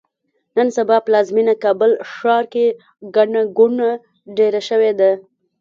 نن سبا پلازمېینه کابل ښار کې ګڼه ګوڼه ډېره شوې ده.